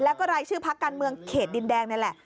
แล้วก็รายชื่อพักการเมืองเขตดินแดงนี่แหละ